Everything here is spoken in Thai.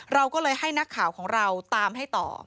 เราก็เลยให้นักข่าวของเราตามให้ต่อ